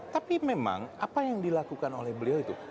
tapi memang apa yang dilakukan oleh beliau itu